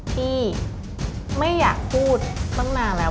ที่ไม่อยากพูดตั้งนานแล้ว